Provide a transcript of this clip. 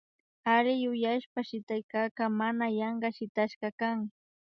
Alli yuyashpa shitaykaka mana yanka shitashka kan